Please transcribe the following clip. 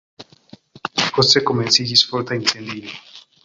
Poste komenciĝis forta incendio.